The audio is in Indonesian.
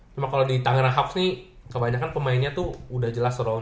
cuma kalo di tangerang hubs nih kebanyakan pemainnya tuh udah jelas wrong